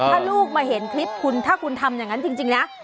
ถ้าลูกมาเห็นคลิปคุณถ้าคุณทำอย่างนั้นจริงนะ